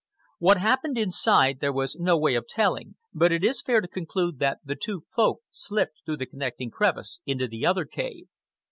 What happened inside there was no way of telling, but it is fair to conclude that the two Folk slipped through the connecting crevice into the other cave.